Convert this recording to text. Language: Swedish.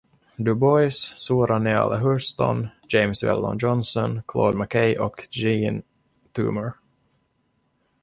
Du Bois, Zora Neale Hurston, James Weldon Johnson, Claude McKay och Jean Toomer.